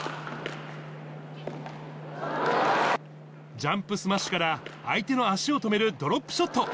ジャンプスマッシュから、相手の足を止めるドロップショット。